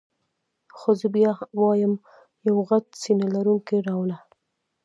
خو زه بیا وایم یو غټ سینه لرونکی را وله.